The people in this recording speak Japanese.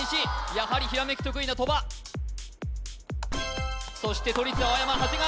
やはりひらめき得意な鳥羽そして都立青山長谷川